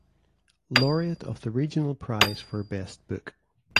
Laureate of the Regional Prize for Best Book.